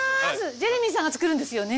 ジェレミーさんが作るんですよね。